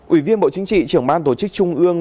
ủy viên bộ chính trị trưởng ban tổ chức trung ương